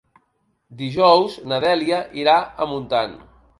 Dijous na Dèlia irà a Montant.